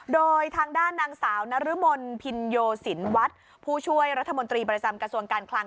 โดยทางด้านนางสาวนรมนพินโยสินวัฒน์ผู้ช่วยรัฐมนตรีประจำกระทรวงการคลัง